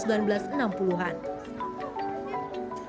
kendaraan bermotor menggantikan perusahaan berdiri di jakarta